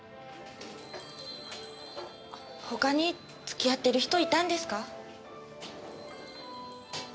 他に付き合ってる人いたんですか？